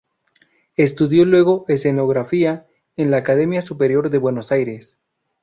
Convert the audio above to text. Estudió luego escenografía en la Academia Superior de Buenos Aires.